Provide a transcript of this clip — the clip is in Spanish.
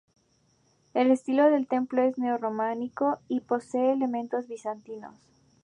El estilo del templo es neo-románico y posee elementos bizantinos.